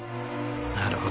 なるほど。